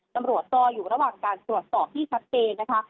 ตำรวจก็อยู่ระหว่างการตรวจสอบที่ชัดเจนนะคะ